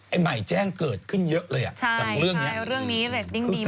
ไอ้ใหม่แจ้งเกิดขึ้นเยอะเลยจากเรื่องนี้ใช่เรื่องนี้เลยดิ้งดีมาก